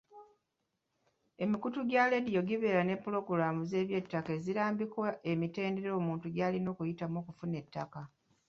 Emikutu gya leediyo gibeera ne pulogulaamu z’eby'ettaka ezirambika emitendera omuntu gy’alina okuyitamu okufuna ettaka.